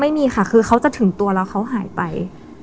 ไม่มีค่ะคือเขาจะถึงตัวแล้วเขาหายไป